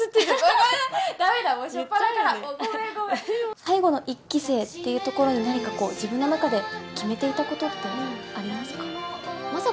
最後の１期生というところに、なにかこう、自分で決めていたことってありますか？